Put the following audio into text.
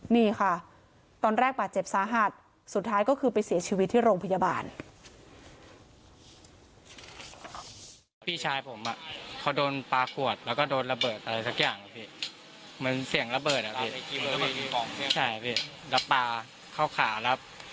นี่ค่ะตอนแรกบาดเจ็บสาหัสสุดท้ายก็คือไปเสียชีวิตที่โรงพยาบาล